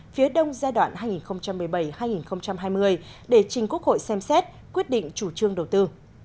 phía đông giai đoạn hai nghìn một mươi bảy hai nghìn hai mươi để trình quốc hội xem xét quyết định chủ trương đầu tư